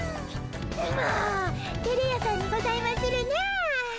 もうてれ屋さんにございまするな。